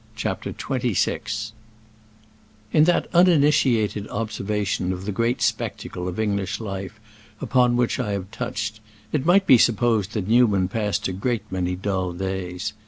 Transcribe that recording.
CHAPTER XXVI In that uninitiated observation of the great spectacle of English life upon which I have touched, it might be supposed that Newman passed a great many dull days.